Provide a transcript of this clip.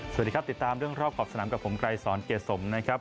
สวัสดีครับติดตามเรื่องรอบขอบสนามกับผมไกรสอนเกียรติสมนะครับ